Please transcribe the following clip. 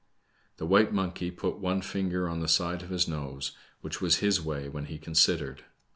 •* The white monkey put one finger on the side of his nose, which was his way when he considered.